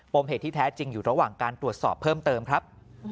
มเหตุที่แท้จริงอยู่ระหว่างการตรวจสอบเพิ่มเติมครับ